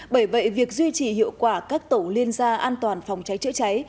bởi vậy việc duy trì hiệu quả các tổ liên gia an toàn phòng cháy chữa cháy